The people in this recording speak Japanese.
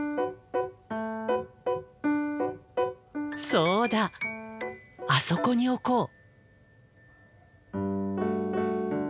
そうだあそこに置こう。